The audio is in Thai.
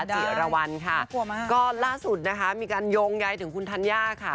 จีอรวรรณค่ะล่าสุดมีการยงย้ายถึงคุณธัญญาค่ะ